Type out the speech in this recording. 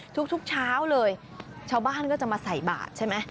ทุกเช้าเลยชาวบ้านก็จะมาใส่บาทใช่ไหม